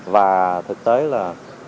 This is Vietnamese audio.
và thực tế là